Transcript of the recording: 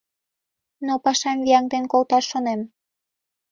— Но пашам вияҥден колташ шонем.